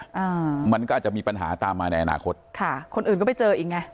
อ่ามันก็อาจจะมีปัญหาตามมาในอนาคตค่ะคนอื่นก็ไปเจออีกไง